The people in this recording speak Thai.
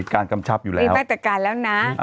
การกำชับอยู่แล้ว